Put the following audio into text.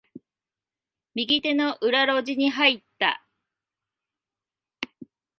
右手の裏路地に入った。